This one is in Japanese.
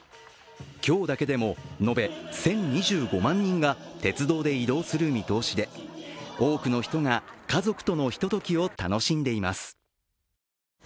今日だけでも延べ１０２５万人が鉄道で移動する見通しで多くの人が家族とのひとときを楽しんでいます。